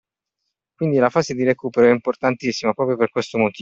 Quindi la fase di recupero è importantissima proprio per questo motivo.